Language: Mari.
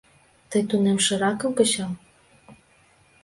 Тый тунемшыракым кычал...